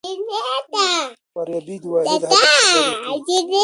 فارابي د واحد هدف خبري کوي.